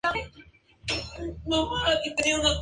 Existen variaciones anuales en la precipitación total anual.